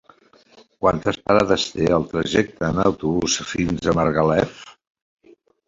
Quantes parades té el trajecte en autobús fins a Margalef?